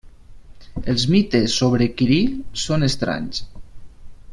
Els mites sobre Quirí són estranys.